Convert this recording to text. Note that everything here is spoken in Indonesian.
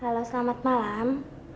halo selamat malam